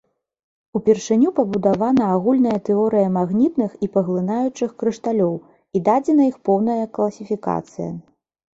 Упершыню пабудавана агульная тэорыя магнітных і паглынаючых крышталёў і дадзена іх поўная класіфікацыя.